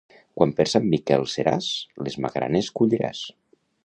Quan per Sant Miquel seràs, les magranes colliràs.